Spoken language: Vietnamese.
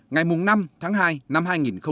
ngày năm tháng hai năm hai nghìn bảy